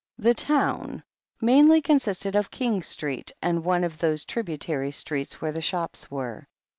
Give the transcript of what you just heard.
"The town" mainly consisted of King Street and one of those tributary streets where the shops were.